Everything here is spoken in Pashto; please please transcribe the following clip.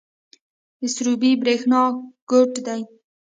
د سروبي بریښنا کوټ دی